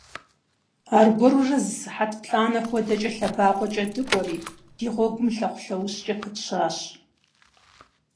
Аргуэру зы сыхьэт плӀанэ хуэдэкӀэ лъэбакъуэкӀэ дыкӀуэри, ди гъуэгум лъэхъу-лъэущкӀэ пытщащ.